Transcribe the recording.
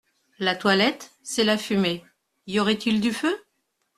La toilette, c’est la fumée ! y aurait-il du feu ?